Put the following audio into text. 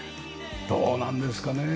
どうなんですかね？